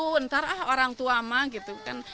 nanti orang tua mah gitu kan